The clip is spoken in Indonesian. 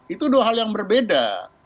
itu dua hal yang berbeda